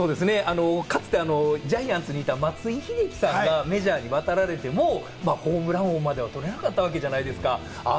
かつてジャイアンツにいた松井秀喜さんがメジャーに渡られても、ホームラン王までは取れなかったわけじゃないですか。